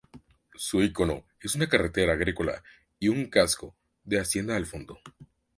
Su ícono es una carreta agrícola y un casco de hacienda al fondo.